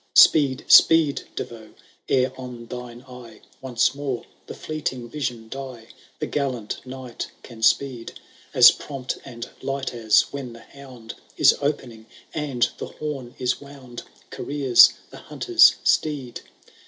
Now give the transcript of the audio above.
Speed, speed, De Vauz, ere on thine eye Once more the fleeting vision die I — ^The gallant knight can speed As prompt and light as, when the hound Is opening, and the horn is wound. Careers the hunter's steed.